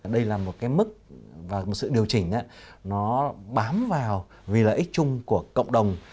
đây là một cái mức và một sự điều chỉnh nó bám vào vì lợi ích chung của cộng đồng